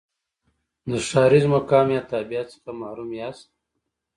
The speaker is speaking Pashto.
د ښاریز مقام یا تابعیت څخه محروم یاست.